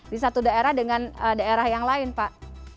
di satu daerah dengan daerah yang lain pak